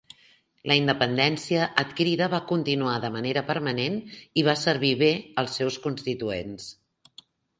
La independència adquirida va continuar de manera permanent i va servir bé als seus constituents.